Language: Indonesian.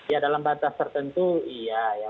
ya dalam batas tertentu iya ya